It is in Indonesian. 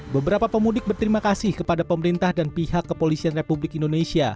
beberapa pemudik berterima kasih kepada pemerintah dan pihak kepolisian republik indonesia